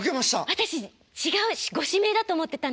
私違うご指名だと思ってたの。